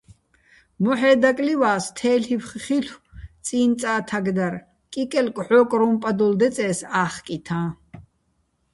მოჰ̦ე́ დაკლივა́ს, თე́ლ'ი́ვხ ხილ'ო̆ წი́ნ წა თაგდარ, კიკელ კჵო́კრუჼ პადოლ დეწე́ს ა́ხკითაჼ.